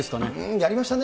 やりましたね。